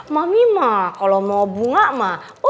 mami mah kalau mau bunga mah